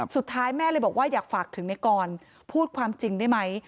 สุดท้ายแม่เลยบอกว่าอยากฝากถึงในกรพูดความจริงได้ไหม